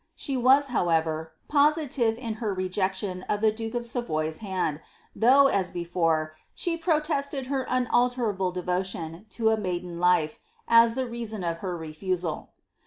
She vas, however, positive in her rejection of the duke of Savoy's hand, though* as before, she protested her unalterable devotion to a maiden life, as the reason of her refusal.'